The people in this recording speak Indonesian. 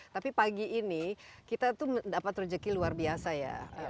tapi pagi ini kita itu mendapat rezeki luar biasa ya